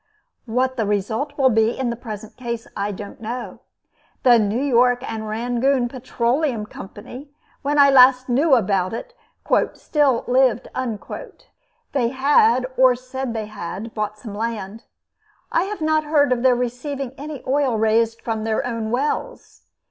What the result will be, in the present case, I don't know. The New York and Rangoon Petroleum Company, when I last knew about it, "still lived." They had or said they had bought some land. I have not heard of their receiving any oil raised from their own wells.